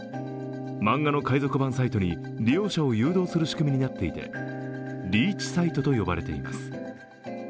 漫画の海賊版サイトに利用者を誘導する仕組みになっていてリーチサイトと呼ばれています。